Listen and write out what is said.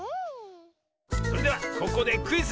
それではここでクイズ。